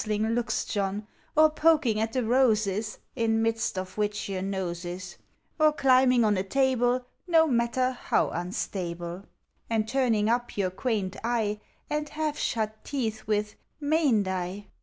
ling looks, John, Or poking at the roses. In midst of which your nose is; Or climbing on a table. No matter how unstable, And turning up your quaint eye And half shut teeth, with '* Mayn't I?